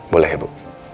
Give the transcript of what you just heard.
boleh ya bu